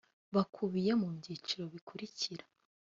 bakubiye mu byiciro bikurikira